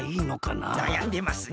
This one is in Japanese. なやんでますね。